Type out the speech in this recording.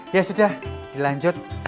ya sudah dilanjut